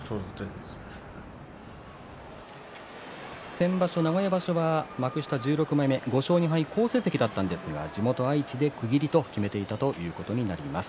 先場所、名古屋場所は幕下１６枚目５勝２敗好成績だったんですが地元・愛知で区切りと決めていたということです。